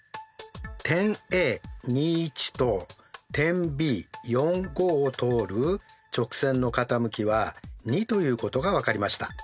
点Ａと点Ｂを通る直線の傾きは２ということが分かりました。